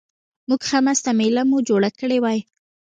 موږ ښه مسته مېله مو کړې وای.